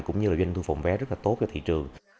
cũng như là doanh thu phòng vé rất là tốt cho thị trường